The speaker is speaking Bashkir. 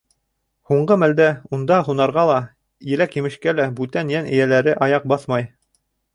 Һуңғы мәлдә унда һунарға ла, еләк-емешкә лә бүтән йән-эйәләре аяҡ баҫмай.